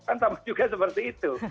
kan sama juga seperti itu